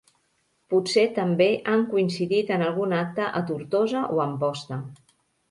Potser també han coincidit en algun acte a Tortosa o a Amposta.